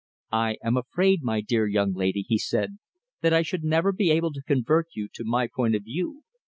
"I am afraid, my dear young lady," he said, "that I should never be able to convert you to my point of view.